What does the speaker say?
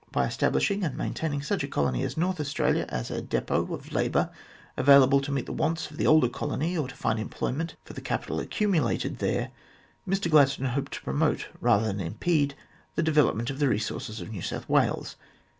By establishing and maintaining such a colony as North Australia as a depot of labour available to meet the wants of the older colony, or to find employment for the capital accumulated there, Mi Gladstone hoped to promote, rather than impede, the development of the resources of New South Wales.